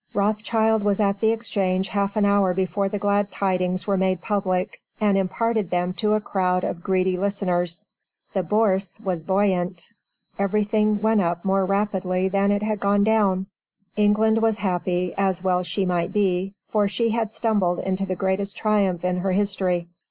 Rothschild was at the Exchange half an hour before the glad tidings were made public, and imparted them to a crowd of greedy listeners. The Bourse was buoyant. Everything went up more rapidly than it had gone down. England was happy as well she might be for she had stumbled into the greatest triumph in her history.